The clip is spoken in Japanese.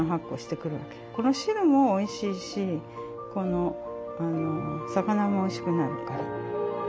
この汁もおいしいしこの魚もおいしくなるから。